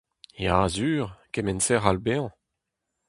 Ya sur, kement-se 'c'hall bezañ.